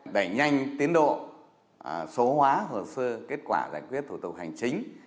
đẩy nhanh tiến độ số hóa hồ sơ kết quả giải quyết thủ tục hành chính